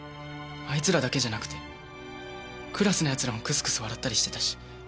あいつらだけじゃなくてクラスの奴らもクスクス笑ったりしてたし。